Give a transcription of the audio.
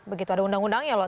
begitu ada undang undangnya loh